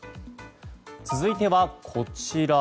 続いては、こちら。